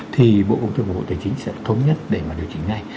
thì bộ công thương vừa thế chính sẽ thống nhất để mà điều chỉnh ngay